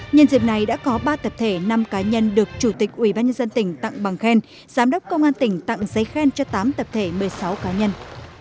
nhân dịp này đã có ba tập thể năm cá nhân được chủ tịch ubnd tỉnh tặng bằng khen giám đốc công an tỉnh tặng giấy khen cho tám tập thể một mươi sáu cá nhân